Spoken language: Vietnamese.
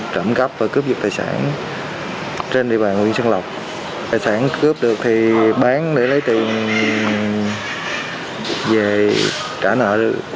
trên địa bàn huyện xuân lộc tài sản cướp được thì bán để lấy tiền về trả nợ